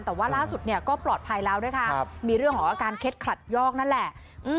แต่ว่าล่าสุดเนี่ยก็ปลอดภัยแล้วนะคะมีเรื่องของอาการเคล็ดขลัดยอกนั่นแหละ